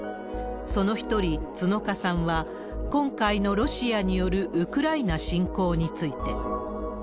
その１人、角鹿さんは、今回のロシアによるウクライナ侵攻について。